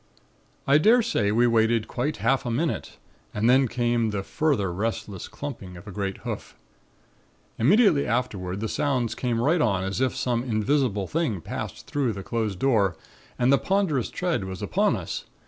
"I dare say we waited quite half a minute and then came the further restless clumping of a great hoof. Immediately afterward the sounds came right on as if some invisible thing passed through the closed door and the ponderous tread was upon us.